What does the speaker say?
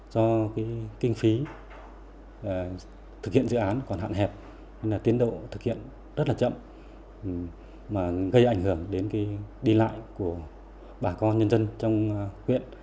do kinh phí thực hiện dự án còn hạn hẹp tiến độ thực hiện rất chậm gây ảnh hưởng đến đi lại của bà con nhân dân trong huyện